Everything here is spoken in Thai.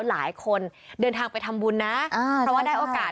หลายคนเดินทางไปทำบุญนะเพราะว่าได้โอกาส